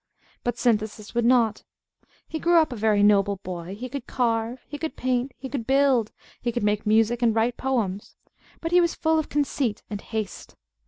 But Synthesis would not. He grew up a very noble boy. He could carve, he could paint, he could build, he could make music, and write poems: but he was full of conceit and haste.